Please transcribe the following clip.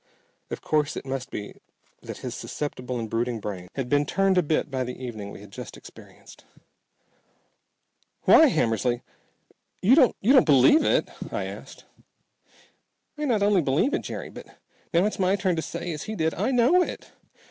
Of course it must be that his susceptible and brooding brain had been turned a bit by the evening we had just experienced. "Why Hammersly! You don't believe it?" I asked. "I not only believe it, Jerry, but now it's my turn to say, as he did, I know it!